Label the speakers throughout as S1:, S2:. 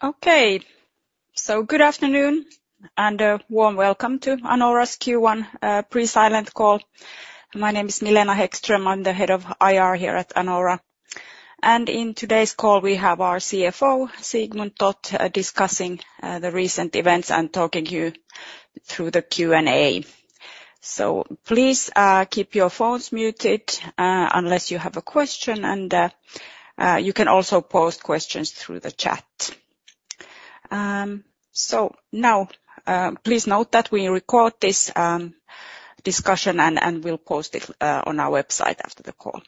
S1: Okay, so good afternoon, and a warm welcome to Anora's Q1 pre-silent call. My name is Milena Milena Häggström, I'm the head of IR here at Anora. In today's call, we have our CFO, Sigmund Toth, discussing the recent events and talking you through the Q&A. So please keep your phones muted unless you have a question, and you can also post questions through the chat. So now please note that we record this discussion, and we'll post it on our website after the call.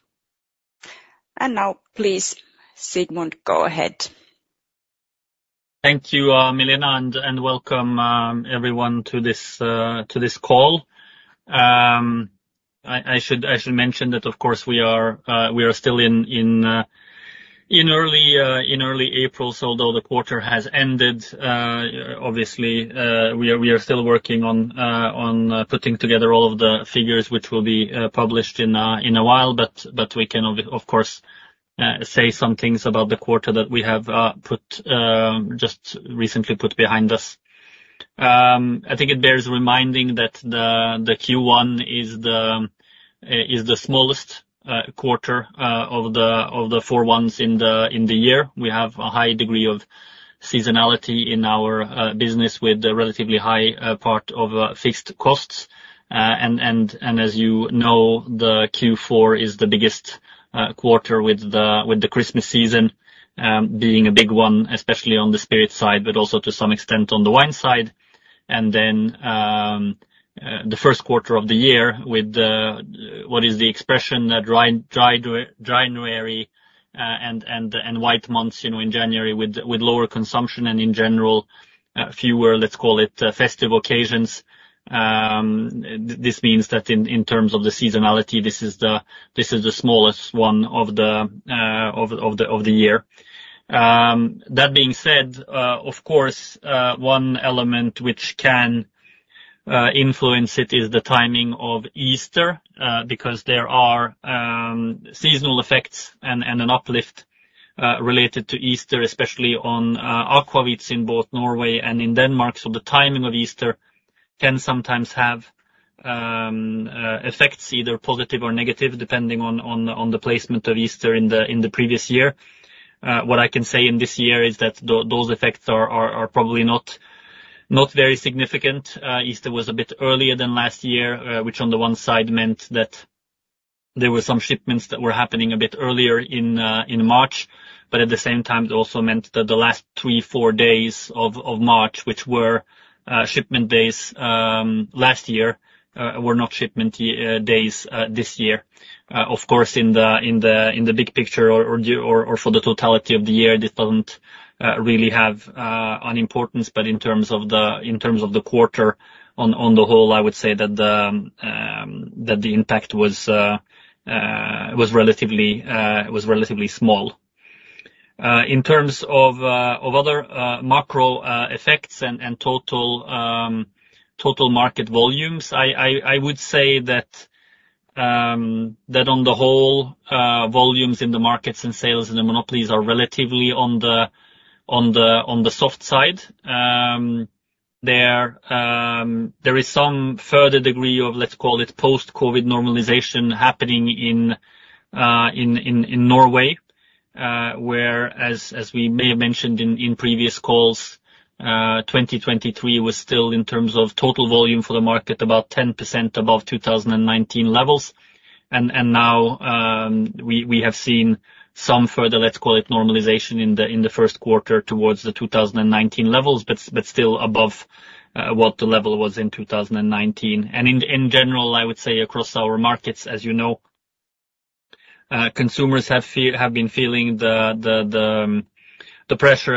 S1: Now, please, Sigmund, go ahead.
S2: Thank you, Milena, and welcome everyone to this call. I should mention that, of course, we are still in early April, so although the quarter has ended, obviously, we are still working on putting together all of the figures which will be published in a while, but we can, of course, say some things about the quarter that we have just recently put behind us. I think it bears reminding that the Q1 is the smallest quarter of the four ones in the year. We have a high degree of seasonality in our business, with a relatively high part of fixed costs. As you know, the Q4 is the biggest quarter with the Christmas season being a big one, especially on the spirit side, but also to some extent on the wine side. Then the first quarter of the year with the, what is the expression? Dry January and white months, you know, in January with lower consumption, and in general fewer, let's call it, festive occasions. This means that in terms of the seasonality, this is the smallest one of the year. That being said, of course, one element which can influence it is the timing of Easter, because there are seasonal effects and an uplift related to Easter, especially on Aquavits in both Norway and in Denmark. So the timing of Easter can sometimes have effects, either positive or negative, depending on the placement of Easter in the previous year. What I can say in this year is that those effects are probably not very significant. Easter was a bit earlier than last year, which on the one side meant that there were some shipments that were happening a bit earlier in March, but at the same time, it also meant that the last three, four days of March, which were shipment days last year, were not shipment days this year. Of course, in the big picture, or for the totality of the year, this doesn't really have an importance, but in terms of the quarter, on the whole, I would say that the impact was relatively small. In terms of other macro effects and total market volumes, I would say that on the whole, volumes in the markets and sales in the monopolies are relatively on the soft side. There is some further degree of, let's call it, post-COVID normalization happening in Norway, where, as we may have mentioned in previous calls, 2023 was still, in terms of total volume for the market, about 10% above 2019 levels. And now, we have seen some further, let's call it, normalization in the first quarter towards the 2019 levels, but still above what the level was in 2019. And in general, I would say across our markets, as you know, consumers have been feeling the pressure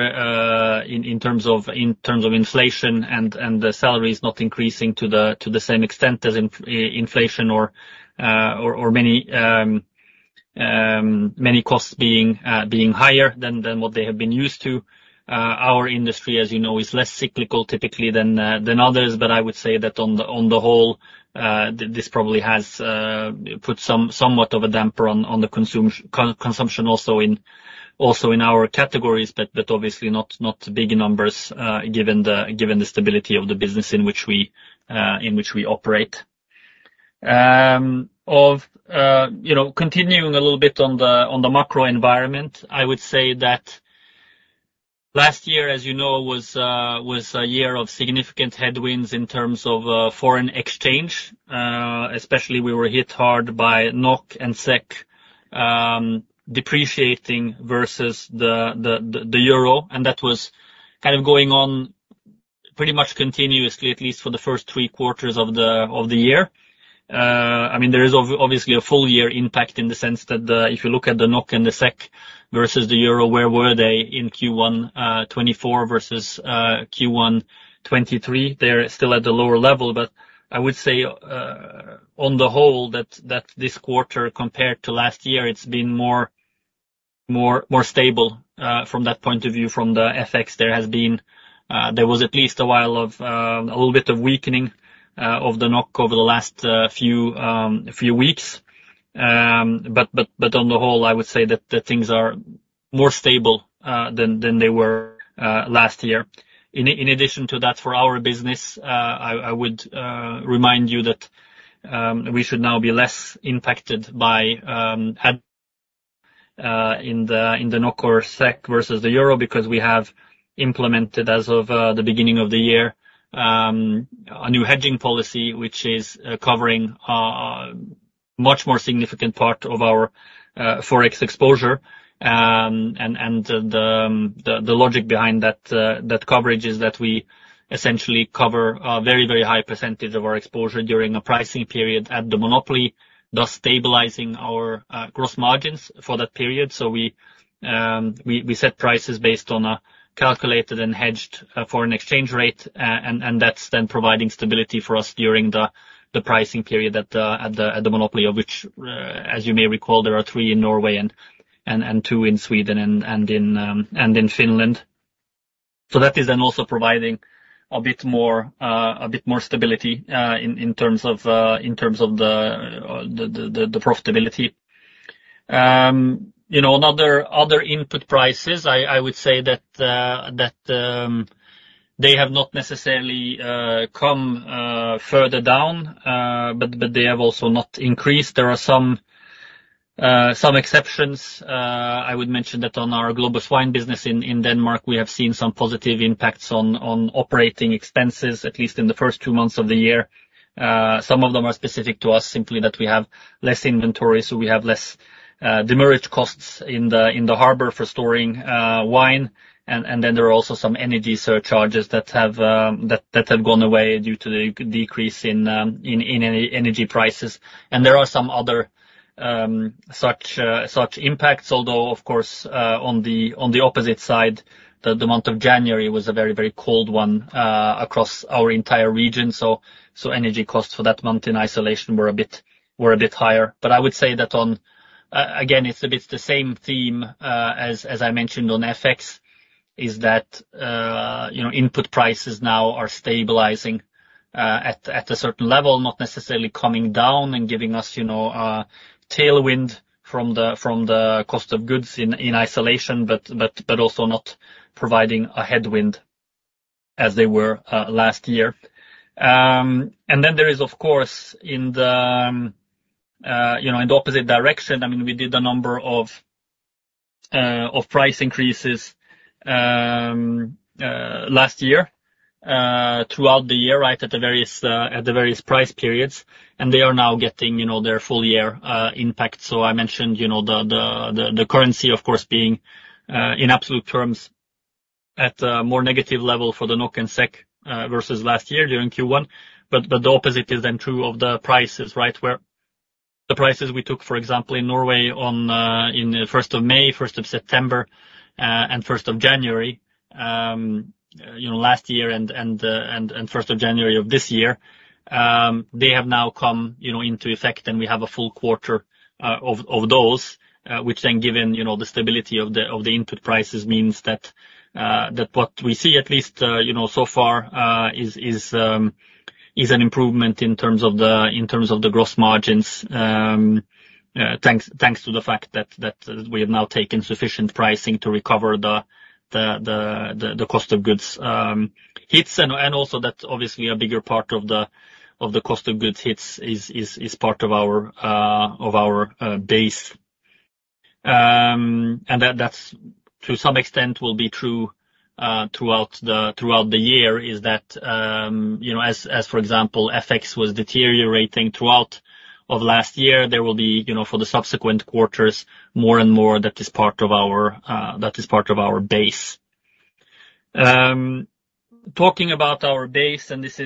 S2: in terms of inflation and the salaries not increasing to the same extent as inflation or many costs being higher than what they have been used to. Our industry, as you know, is less cyclical typically than others, but I would say that on the whole, this probably has put somewhat of a damper on the consumption also in our categories, but obviously not big numbers, given the stability of the business in which we operate. You know, continuing a little bit on the, on the macro environment, I would say that last year, as you know, was, was a year of significant headwinds in terms of, foreign exchange. Especially, we were hit hard by NOK and SEK, depreciating versus the euro, and that was kind of going on pretty much continuously, at least for the first three quarters of the, of the year. I mean, there is obviously a full year impact in the sense that the... If you look at the NOK and the SEK versus the euro, where were they in Q1 2024 versus Q1 2023? They're still at the lower level, but I would say on the whole, that this quarter, compared to last year, it's been more stable from that point of view, from the FX. There has been at least a while of a little bit of weakening of the NOK over the last few weeks. But on the whole, I would say that the things are more stable than they were last year. In addition to that, for our business, I would remind you that we should now be less impacted by the NOK or SEK versus the euro, because we have implemented, as of the beginning of the year, a new hedging policy, which is covering a much more significant part of our Forex exposure. And the logic behind that coverage is that we essentially cover a very, very high percentage of our exposure during a pricing period at the monopoly, thus stabilizing our gross margins for that period. So we set prices based on a calculated and hedged foreign exchange rate. And that's then providing stability for us during the pricing period at the monopoly, of which, as you may recall, there are three in Norway and two in Sweden and in Finland. So that is then also providing a bit more stability in terms of the profitability. You know, another other input prices, I would say that they have not necessarily come further down, but they have also not increased. There are some exceptions. I would mention that on our global wine business in Denmark, we have seen some positive impacts on operating expenses, at least in the first two months of the year. Some of them are specific to us, simply that we have less inventory, so we have less demurrage costs in the harbor for storing wine. And then there are also some energy surcharges that have gone away due to the decrease in energy prices. And there are some other such impacts, although, of course, on the opposite side, the month of January was a very, very cold one across our entire region. So energy costs for that month in isolation were a bit higher. But I would say that on, again, it's a bit the same theme, as I mentioned on FX, is that, you know, input prices now are stabilizing, at a certain level, not necessarily coming down and giving us, you know, a tailwind from the, from the cost of goods in, in isolation, but also not providing a headwind as they were, last year. And then there is, of course, in the, you know, in the opposite direction, I mean, we did a number of, of price increases, last year, throughout the year, right at the various, at the various price periods, and they are now getting, you know, their full year, impact. So I mentioned, you know, the currency, of course, being in absolute terms, at a more negative level for the NOK and SEK versus last year during Q1. But the opposite is then true of the prices, right? Where the prices we took, for example, in Norway on the first of May, first of September, and first of January last year and first of January of this year, they have now come, you know, into effect, and we have a full quarter of those, which then given, you know, the stability of the input prices, means that what we see at least, you know, so far, is an improvement in terms of the gross margins. Thanks to the fact that we have now taken sufficient pricing to recover the cost of goods hits, and also that's obviously a bigger part of the cost of goods hits is part of our base. And that's to some extent will be true throughout the year, is that you know, as for example, FX was deteriorating throughout last year, there will be you know, for the subsequent quarters, more and more that is part of our base. Talking about our base, and this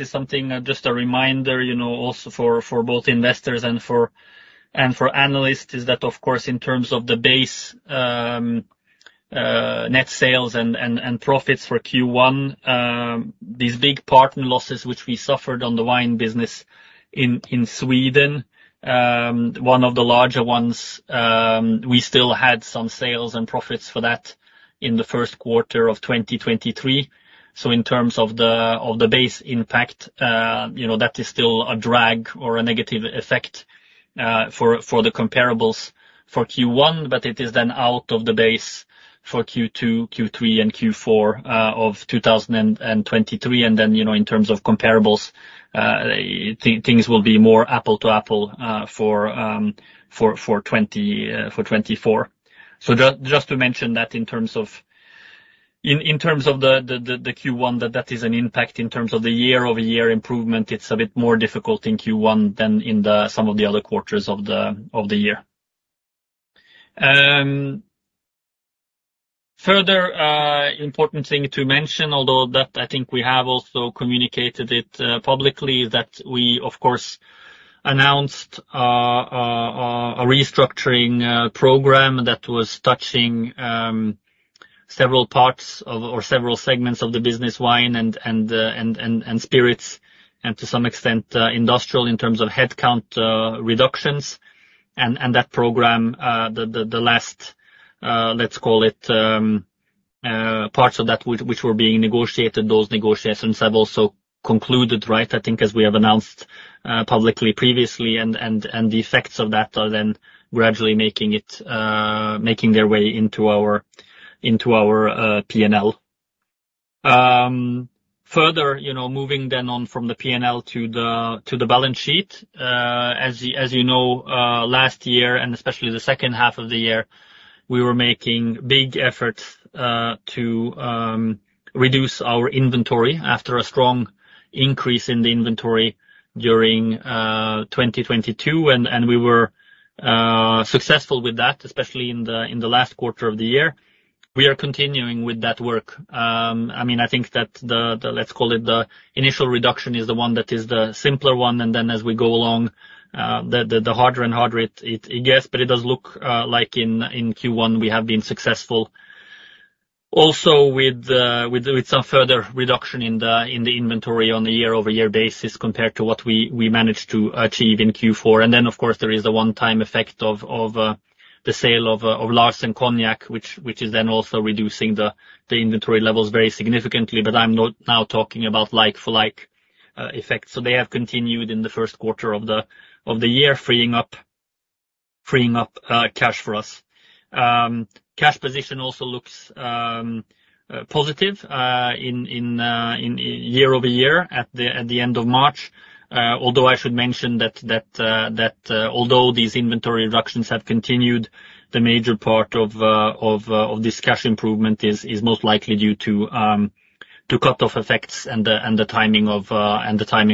S2: is something, just a reminder, you know, also for both investors and analysts, is that, of course, in terms of the base, net sales and profits for Q1, these big partner losses, which we suffered on the wine business in Sweden, one of the larger ones, we still had some sales and profits for that in the first quarter of 2023. So in terms of the base impact, you know, that is still a drag or a negative effect, for the comparables for Q1, but it is then out of the base for Q2, Q3, and Q4, of 2023. And then, you know, in terms of comparables, things will be more apples to apples for 2024. So just to mention that in terms of the Q1, that is an impact in terms of the year-over-year improvement. It's a bit more difficult in Q1 than in some of the other quarters of the year. Further, important thing to mention, although that I think we have also communicated it publicly, that we, of course, announced a restructuring program that was touching several parts of or several segments of the business, wine and spirits, and to some extent, industrial in terms of headcount reductions. And that program, the last, let's call it, parts of that which were being negotiated, those negotiations have also concluded, right? I think, as we have announced publicly previously, and the effects of that are then gradually making their way into our PNL. Further, you know, moving then on from the PNL to the balance sheet. As you know, last year, and especially the second half of the year, we were making big efforts to reduce our inventory after a strong increase in the inventory during 2022. And we were successful with that, especially in the last quarter of the year. We are continuing with that work. I mean, I think that the let's call it the initial reduction is the one that is the simpler one, and then as we go along, the harder and harder it gets. But it does look like in Q1, we have been successful also with some further reduction in the inventory on a year-over-year basis, compared to what we managed to achieve in Q4. And then, of course, there is the one-time effect of the sale of Larsen Cognac, which is then also reducing the inventory levels very significantly. But I'm not now talking about, like for-like effect. So they have continued in the first quarter of the year, freeing up cash for us. Cash position also looks positive year-over-year at the end of March. Although I should mention that although these inventory reductions have continued, the major part of this cash improvement is most likely due to cut-off effects and the timing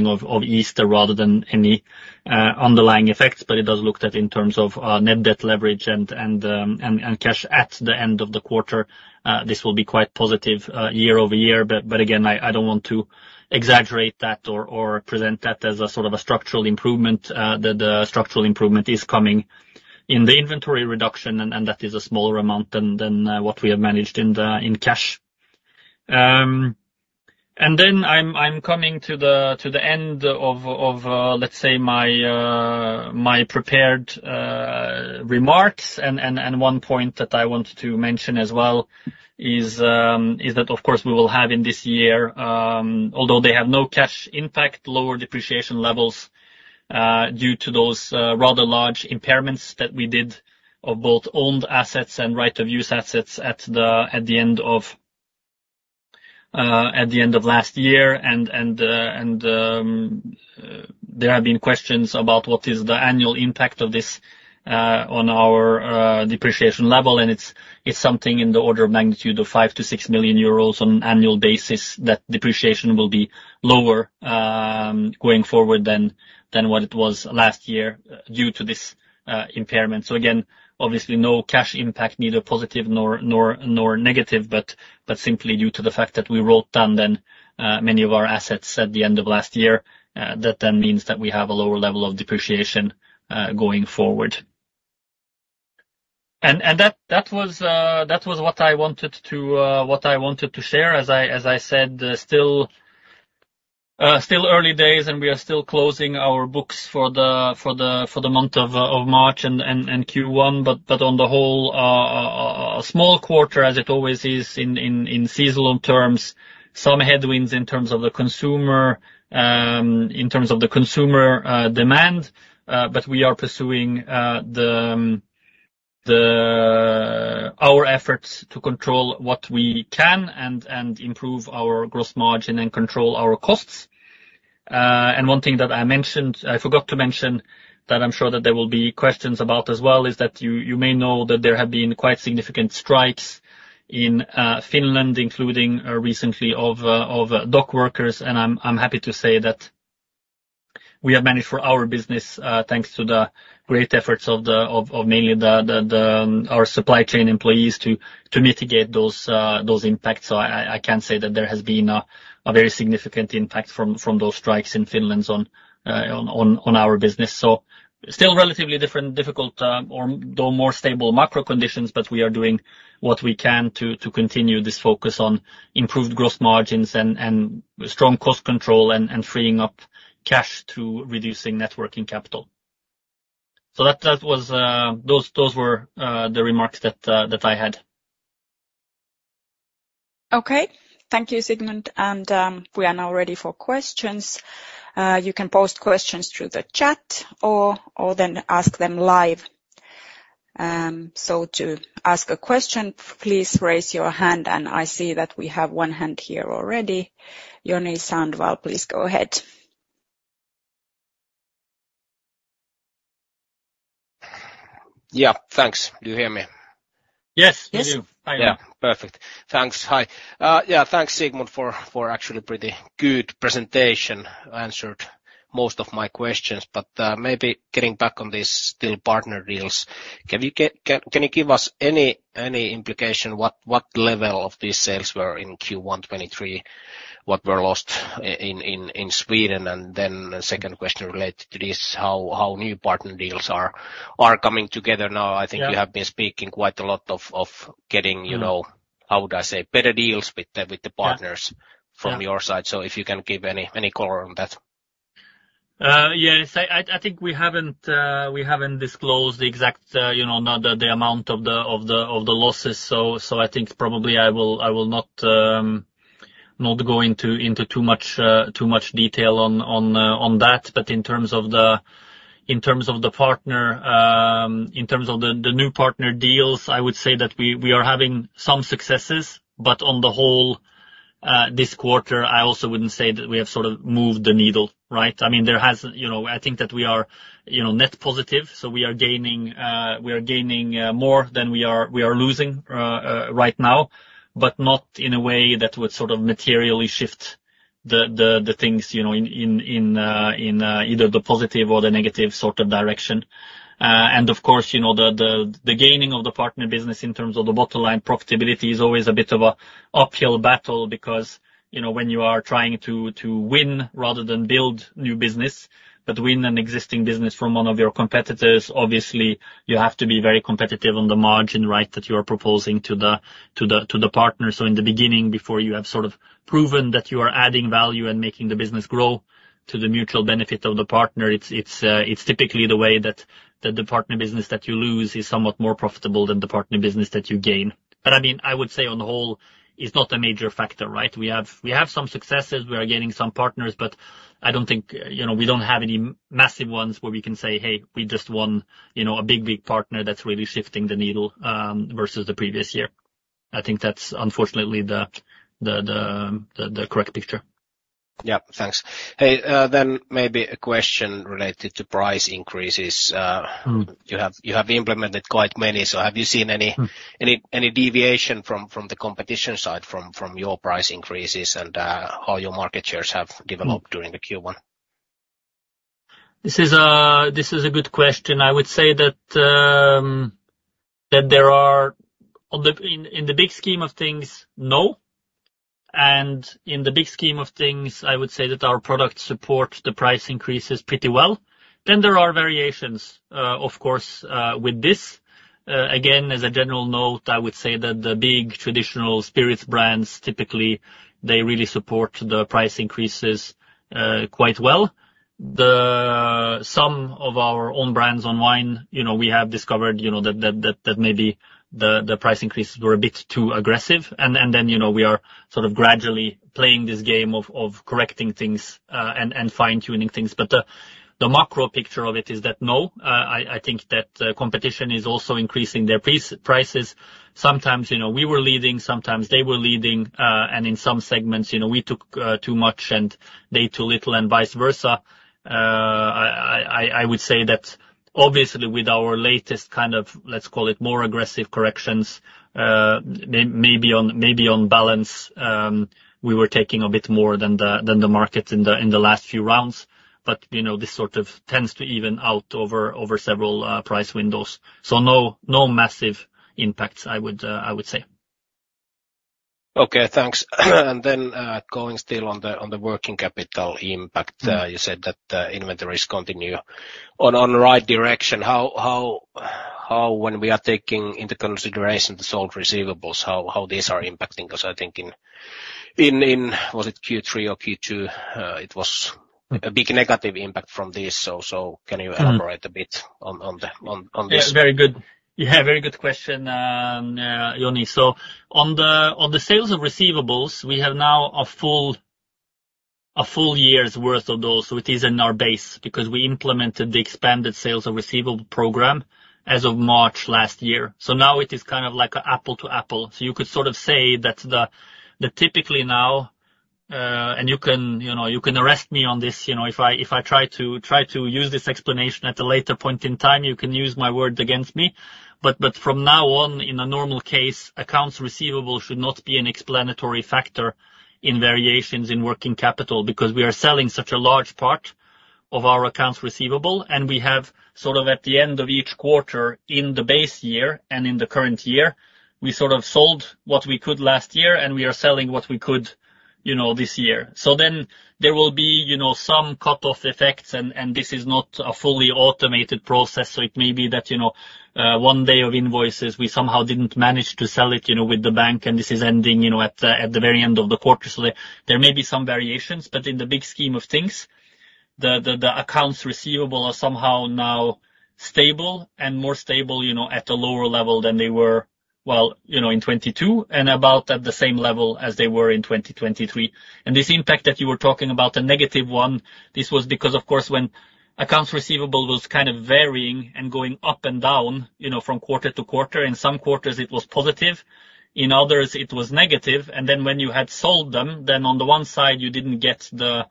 S2: of Easter, rather than any underlying effects. But it does look that in terms of net debt leverage and cash at the end of the quarter, this will be quite positive year-over-year. But again, I don't want to exaggerate that or present that as a sort of a structural improvement. that the structural improvement is coming in the inventory reduction, and that is a smaller amount than what we have managed in cash. And then I'm coming to the end of, let's say, my prepared remarks. And one point that I want to mention as well is that, of course, we will have in this year, although they have no cash impact, lower depreciation levels due to those rather large impairments that we did of both owned assets and right of use assets at the end of last year. There have been questions about what is the annual impact of this on our depreciation level, and it's something in the order of magnitude of 5 million-6 million euros on an annual basis. That depreciation will be lower going forward than what it was last year due to this impairment. So again, obviously no cash impact, neither positive nor negative, but simply due to the fact that we wrote down then many of our assets at the end of last year. That then means that we have a lower level of depreciation going forward. And that was what I wanted to share. As I said, still early days, and we are still closing our books for the month of March and Q1. But on the whole, a small quarter, as it always is in seasonal terms. Some headwinds in terms of consumer demand, but we are pursuing our efforts to control what we can and improve our gross margin and control our costs. And one thing that I mentioned, I forgot to mention, that I'm sure that there will be questions about as well, is that you may know that there have been quite significant strikes in Finland, including recently of dock workers. And I'm happy to say that we have managed for our business, thanks to the great efforts of mainly our supply chain employees to mitigate those impacts. So I can't say that there has been a very significant impact from those strikes in Finland on our business. So still relatively different, difficult, or though more stable macro conditions, but we are doing what we can to continue this focus on improved gross margins and strong cost control and freeing up cash to reducing net working capital. So that was those were the remarks that I had.
S1: Okay. Thank you, Sigmund. We are now ready for questions. You can post questions through the chat or then ask them live. So to ask a question, please raise your hand. I see that we have one hand here already. Joni Sandvall, please go ahead.
S3: Yeah, thanks. Do you hear me?
S2: Yes, we do.
S1: Yes.
S3: Yeah. Perfect. Thanks. Hi, yeah, thanks, Sigmund, for, for actually pretty good presentation. Answered most of my questions, but, maybe getting back on these still partner deals, can you give us any, any implication what, what level of these sales were in Q1 2023, what were lost in, in Sweden? And then the second question related to this, how, how new partner deals are, are coming together now?
S2: Yeah.
S3: I think you have been speaking quite a lot of getting, you know, how would I say, better deals with the partners-
S2: Yeah.
S3: From your side. So if you can give any color on that....
S2: Yes, I think we haven't disclosed the exact, you know, the amount of the losses. So, I think probably I will not go into too much detail on that. But in terms of the partner, in terms of the new partner deals, I would say that we are having some successes, but on the whole, this quarter, I also wouldn't say that we have sort of moved the needle, right? I mean, there has, you know, I think that we are, you know, net positive, so we are gaining, we are gaining, more than we are, we are losing, right now, but not in a way that would sort of materially shift the things, you know, in either the positive or the negative sort of direction. And of course, you know, the gaining of the partner business in terms of the bottom line profitability is always a bit of an uphill battle because, you know, when you are trying to win rather than build new business, but win an existing business from one of your competitors, obviously, you have to be very competitive on the margin, right, that you are proposing to the partner. So in the beginning, before you have sort of proven that you are adding value and making the business grow to the mutual benefit of the partner, it's typically the way that the partner business that you lose is somewhat more profitable than the partner business that you gain. But I mean, I would say on the whole, it's not a major factor, right? We have some successes, we are gaining some partners, but I don't think, you know, we don't have any massive ones where we can say, "Hey, we just won, you know, a big, big partner that's really shifting the needle versus the previous year." I think that's unfortunately the correct picture.
S3: Yeah. Thanks. Hey, then maybe a question related to price increases,
S2: Mmh.
S3: - you have implemented quite many, so have you seen any-
S2: Mmh...
S3: any deviation from the competition side, from your price increases and how your market shares have-
S2: Mm
S3: Developed during the Q1?
S2: This is a good question. I would say that there are, in the big scheme of things, no. And in the big scheme of things, I would say that our product supports the price increases pretty well. Then there are variations, of course, with this. Again, as a general note, I would say that the big traditional spirits brands, typically, they really support the price increases quite well. Some of our own brands on wine, you know, we have discovered, you know, that maybe the price increases were a bit too aggressive. And then, you know, we are sort of gradually playing this game of correcting things, and fine-tuning things. But the macro picture of it is that no, I think that competition is also increasing their prices. Sometimes, you know, we were leading, sometimes they were leading, and in some segments, you know, we took too much and they too little, and vice versa. I would say that obviously with our latest kind of, let's call it, more aggressive corrections, maybe on balance, we were taking a bit more than the market in the last few rounds. But, you know, this sort of tends to even out over several price windows. So no massive impacts, I would say.
S3: Okay, thanks. And then, going still on the working capital impact-
S2: Mmh...
S3: you said that inventories continue on the right direction. How, when we are taking into consideration the sold receivables, how these are impacting? 'Cause I think in, was it Q3 or Q2, it was-
S2: Mmh...
S3: a big negative impact from this. So, can you-
S2: Mmh
S3: Elaborate a bit on this?
S2: Yes, very good. Yeah, very good question, Joni. So on the, on the sales of receivables, we have now a full, a full year's worth of those. So it is in our base, because we implemented the expanded sales of receivables program as of March last year. So now it is kind of like apples to apples. So you could sort of say that the, the typically now, and you can, you know, you can arrest me on this, you know, if I, if I try to, try to use this explanation at a later point in time, you can use my words against me. But, but from now on, in a normal case, accounts receivable should not be an explanatory factor in variations in working capital. Because we are selling such a large part of our accounts receivable, and we have sort of at the end of each quarter in the base year and in the current year, we sort of sold what we could last year, and we are selling what we could, you know, this year. So then there will be, you know, some cutoff effects, and this is not a fully automated process, so it may be that, you know, one day of invoices, we somehow didn't manage to sell it, you know, with the bank, and this is ending, you know, at the very end of the quarter. So there may be some variations, but in the big scheme of things, the accounts receivable are somehow now stable, and more stable, you know, at a lower level than they were, well, you know, in 2022, and about at the same level as they were in 2023. This impact that you were talking about, the negative one, this was because, of course, when accounts receivable was kind of varying and going up and down, you know, from quarter to quarter, in some quarters it was positive, in others it was negative. Then when you had sold them, then on the one side you didn't get the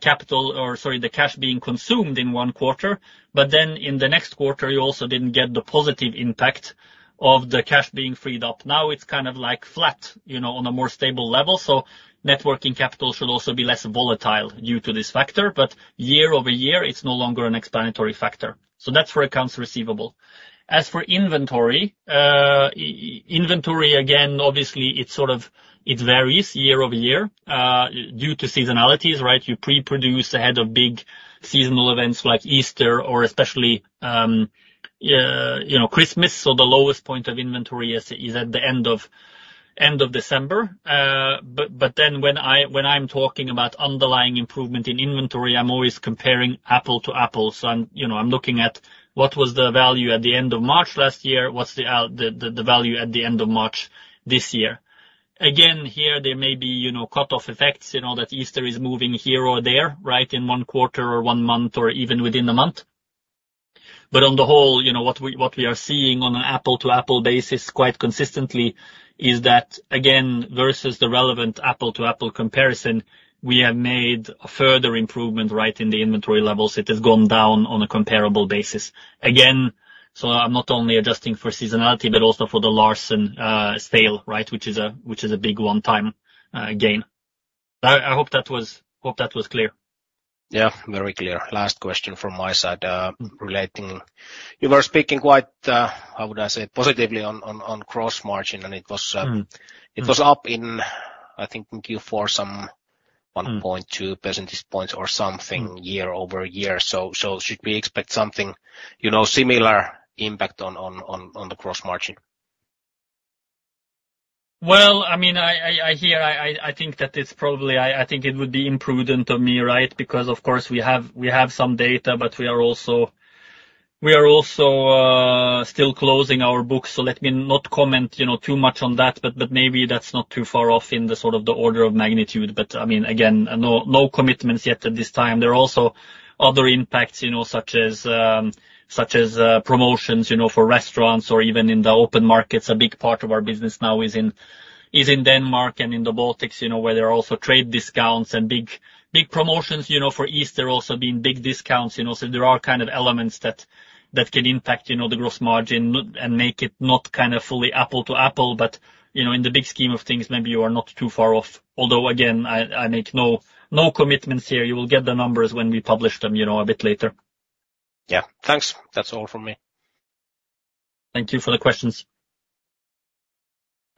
S2: capital, or sorry, the cash being consumed in one quarter, but then in the next quarter, you also didn't get the positive impact of the cash being freed up. Now, it's kind of like flat, you know, on a more stable level, so net working capital should also be less volatile due to this factor, but year-over-year, it's no longer an explanatory factor. So that's for accounts receivable. As for inventory, inventory, again, obviously, it's sort of it varies year-over-year due to seasonalities, right? You pre-produce ahead of seasonal events like Easter or especially, you know, Christmas, so the lowest point of inventory is at the end of December. But then when I'm talking about underlying improvement in inventory, I'm always comparing apple to apple. So I'm, you know, I'm looking at what was the value at the end of March last year, what's the value at the end of March this year. Again, here, there may be, you know, cutoff effects, you know, that Easter is moving here or there, right, in one quarter or one month, or even within the month. But on the whole, you know, what we, what we are seeing on an apple-to-apple basis quite consistently is that, again, versus the relevant apple-to-apple comparison, we have made a further improvement right in the inventory levels. It has gone down on a comparable basis. Again, so I'm not only adjusting for seasonality, but also for the Larsen sale, right? Which is a, which is a big one-time gain. I, I hope that was, hope that was clear.
S3: Yeah, very clear. Last question from my side, relating... You were speaking quite, how would I say? Positively on, on, on gross margin, and it was,
S2: Mm-hmm...
S3: it was up in, I think, in Q4 some-
S2: Mm...
S3: 1.2 percentage points or something-
S2: Mm
S3: -year-over-year. So should we expect something, you know, similar impact on the gross margin?
S2: Well, I mean, I hear, I think that it's probably—I think it would be imprudent of me, right? Because of course, we have some data, but we are also still closing our books. So let me not comment, you know, too much on that, but maybe that's not too far off in the sort of the order of magnitude. But I mean, again, no commitments yet at this time. There are also other impacts, you know, such as promotions, you know, for restaurants or even in the open markets. A big part of our business now is in Denmark and in the Baltics, you know, where there are also trade discounts and big promotions, you know, for Easter, also being big discounts. You know, so there are kind of elements that that can impact, you know, the gross margin and make it not kind of fully apples to apples. But, you know, in the big scheme of things, maybe you are not too far off. Although, again, I make no commitments here. You will get the numbers when we publish them, you know, a bit later.
S3: Yeah. Thanks. That's all from me.
S2: Thank you for the questions.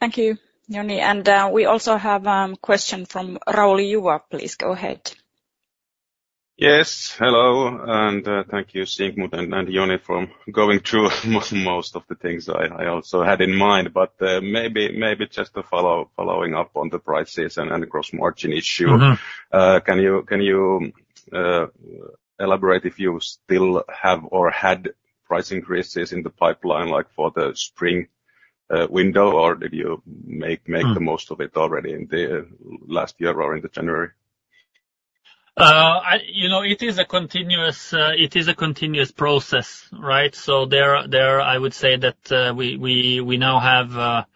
S1: Thank you, Joni. And, we also have, question from Rauli Juva. Please go ahead.
S4: Yes, hello, and thank you, Sigmund and Joni, for going through most of the things I also had in mind. But maybe just to follow up on the prices and the gross margin issue-
S2: Mm-hmm...
S4: can you elaborate if you still have or had price increases in the pipeline, like, for the spring window, or did you make-
S2: Mm
S4: -make the most of it already in the last year or in the January?
S2: You know, it is a continuous process, right? So there, I would say that we now have,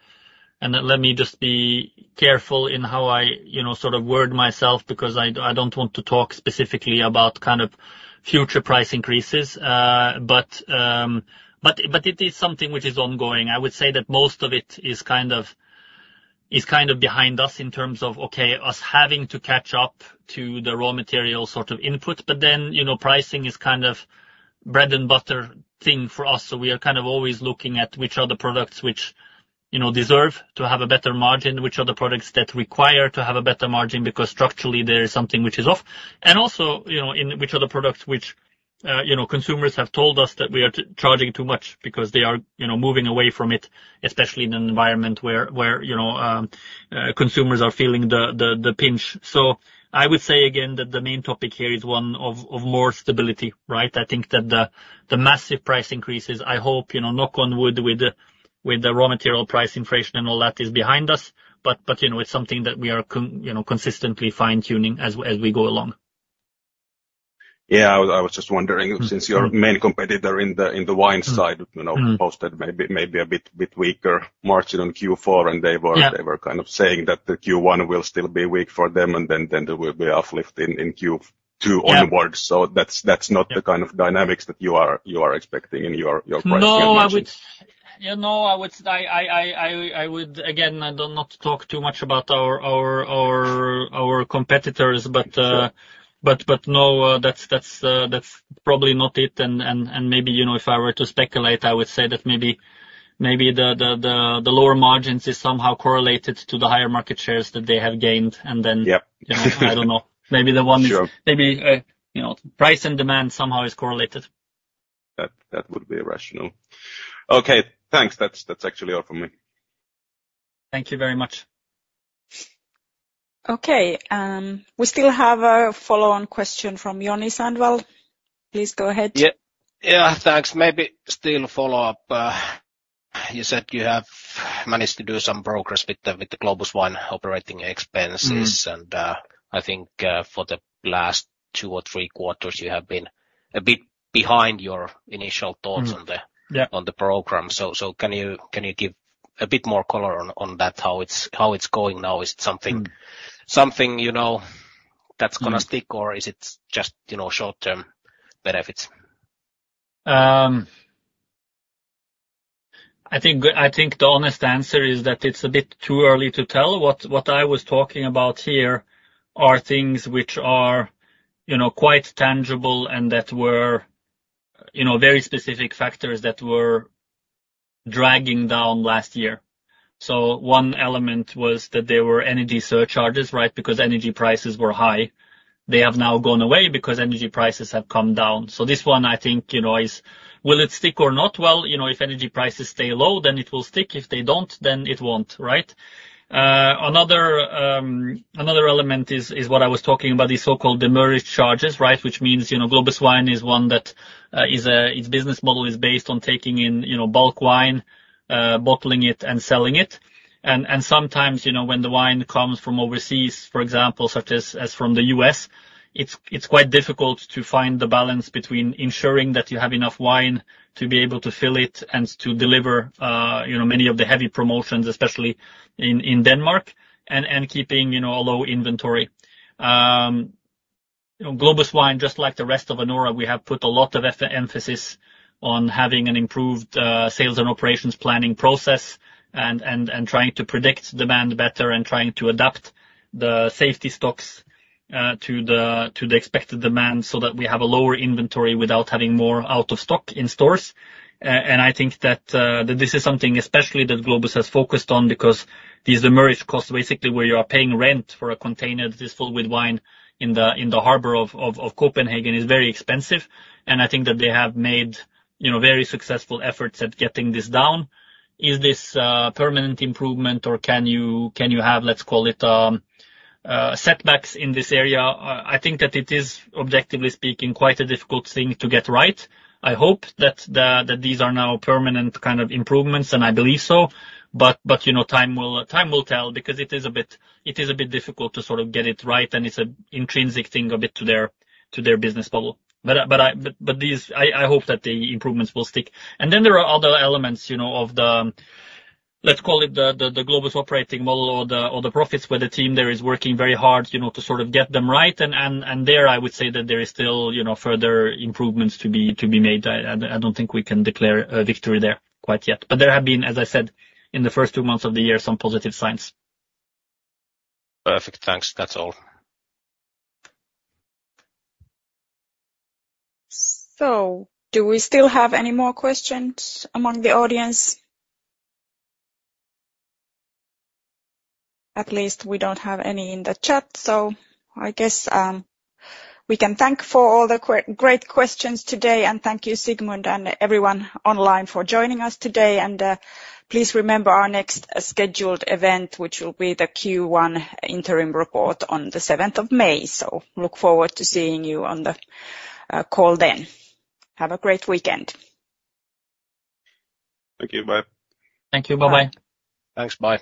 S2: and let me just be careful in how I, you know, sort of word myself, because I don't want to talk specifically about kind of future price increases. But it is something which is ongoing. I would say that most of it is kind of behind us in terms of, okay, us having to catch up to the raw material sort of input. But then, you know, pricing is kind of bread and butter thing for us, so we are kind of always looking at which are the products which, you know, deserve to have a better margin, which are the products that require to have a better margin, because structurally there is something which is off. And also, you know, in which are the products which, you know, consumers have told us that we are charging too much because they are, you know, moving away from it, especially in an environment where, you know, consumers are feeling the pinch. So I would say again, that the main topic here is one of more stability, right? I think that the massive price increases, I hope, you know, knock on wood, with the raw material price inflation and all that is behind us, but, you know, it's something that we are, you know, consistently fine-tuning as we go along.
S4: Yeah. I was just wondering-
S2: Mm-hmm...
S4: since your main competitor in the wine side-
S2: Mm...
S4: you know, posted maybe a bit weaker margin in Q4, and they were-
S2: Yeah...
S4: they were kind of saying that the Q1 will still be weak for them, and then there will be uplift in Q2.
S2: Yeah...
S4: onwards. So that's, that's not-
S2: Yeah
S4: the kind of dynamics that you are expecting in your price-
S2: No, I would-
S4: - margins?
S2: Yeah, no, I would, again, I don't not talk too much about our competitors, but no, that's probably not it, and maybe, you know, if I were to speculate, I would say that maybe the lower margins is somehow correlated to the higher market shares that they have gained, and then-
S4: Yeah.
S2: I don't know. Maybe the one-
S4: Sure...
S2: maybe, you know, price and demand somehow is correlated.
S4: That would be rational. Okay, thanks. That's actually all from me.
S2: Thank you very much.
S1: Okay, we still have a follow-on question from Joni Sandvall. Please go ahead.
S3: Yeah. Yeah, thanks. Maybe still follow up. You said you have managed to do some progress with the, with the Globus Wine operating expenses-
S2: Mm...
S3: and, I think, for the last two or three quarters, you have been a bit behind your initial thoughts on the-
S2: Yeah...
S3: on the program. So can you give a bit more color on that, how it's going now? Is it something-
S2: Mm...
S3: something, you know, that's-
S2: Mm...
S3: gonna stick, or is it just, you know, short-term benefits?
S2: I think, I think the honest answer is that it's a bit too early to tell. What I was talking about here are things which are, you know, quite tangible and that were, you know, very specific factors dragging down last year. So one element was that there were energy surcharges, right? Because energy prices were high. They have now gone away because energy prices have come down. So this one, I think, you know, is, will it stick or not? Well, you know, if energy prices stay low, then it will stick. If they don't, then it won't, right? Another element is what I was talking about, the so-called demurrage charges, right? Which means, you know, Globus Wine is one that, is, its business model is based on taking in, you know, bulk wine, bottling it and selling it. And, and sometimes, you know, when the wine comes from overseas, for example, such as, as from the U.S., it's, it's quite difficult to find the balance between ensuring that you have enough wine to be able to fill it and to deliver, you know, many of the heavy promotions, especially in, in Denmark, and, and keeping, you know, a low inventory. You know, Globus Wine, just like the rest of Anora, we have put a lot of emphasis on having an improved sales and operations planning process and trying to predict demand better and trying to adapt the safety stocks to the expected demand so that we have a lower inventory without having more out of stock in stores. And I think that this is something especially that Globus has focused on, because these demurrage costs, basically, where you are paying rent for a container that is filled with wine in the harbor of Copenhagen, is very expensive, and I think that they have made, you know, very successful efforts at getting this down. Is this permanent improvement or can you have, let's call it, setbacks in this area? I think that it is, objectively speaking, quite a difficult thing to get right. I hope that the, that these are now permanent kind of improvements, and I believe so. But, but, you know, time will, time will tell, because it is a bit, it is a bit difficult to sort of get it right, and it's an intrinsic thing a bit to their, to their business model. But, but I- but, but these... I, I hope that the improvements will stick. And then there are other elements, you know, of the, let's call it the, the, the Globus operating model or the, or the profits, where the team there is working very hard, you know, to sort of get them right. And, and, and there, I would say that there is still, you know, further improvements to be, to be made. I don't think we can declare a victory there quite yet. But there have been, as I said, in the first two months of the year, some positive signs.
S4: Perfect, thanks. That's all.
S1: So do we still have any more questions among the audience? At least we don't have any in the chat, so I guess we can thank for all the great questions today, and thank you, Sigmund, and everyone online for joining us today. And please remember our next scheduled event, which will be the Q1 interim report on the seventh of May. So look forward to seeing you on the call then. Have a great weekend.
S2: Thank you. Bye.
S3: Thank you. Bye-bye.
S4: Thanks. Bye.